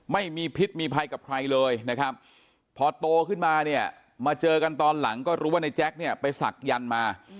ไม่มีพิษมีภัยกับใครเลยนะครับพอโตขึ้นมาเนี่ยมาเจอกันตอนหลังก็รู้ว่าในแจ๊คเนี่ยไปศักยันต์มา